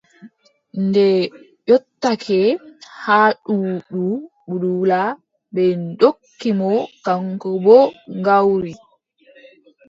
Nde yottake haa Duudu Budula, ɓe ndokki mo kaŋko boo gawri.